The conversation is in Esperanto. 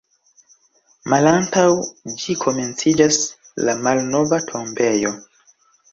Malantaŭ ĝi komenciĝas la Malnova tombejo.